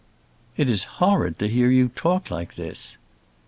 "It is horrid to hear you talk like this."